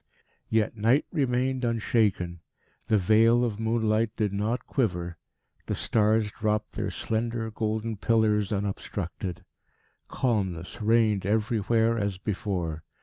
Yet Night remained unshaken; the veil of moonlight did not quiver; the stars dropped their slender golden pillars unobstructed. Calmness reigned everywhere as before.